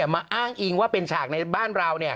มาอ้างอิงว่าเป็นฉากในบ้านเรา